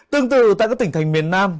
tương tự tại các tỉnh thành miền nam